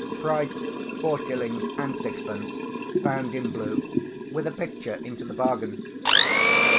Price four shillings and sixpence, bound in blue, with a picture into the bargain.